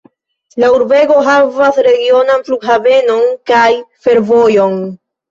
La urbego havas regionan flughavenon kaj fervojon.